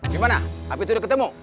gimana apit udah ketemu